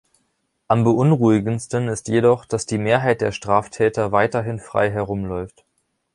Am beunruhigendsten ist jedoch, dass die Mehrheit der Straftäter weiterhin frei herumläuft.